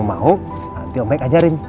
kalau kamu mau nanti om baik ajarin